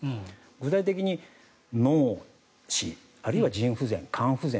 具体的に脳死、あるいは腎不全肝不全